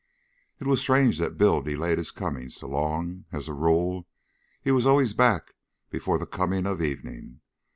It was strange that Bill delayed his coming so long. As a rule he was always back before the coming of evening.